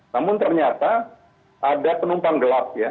namun ternyata ada penumpang gelap ya